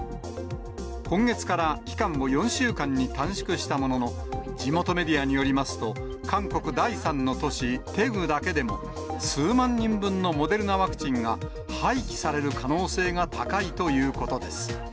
今月から期間を４週間に短縮したものの、地元メディアによりますと、韓国第３の都市、テグだけでも、数万人分のモデルナワクチンが廃棄される可能性が高いということです。